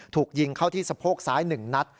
ถูกยิงเข้าที่สะโพกซ้าย๑นัด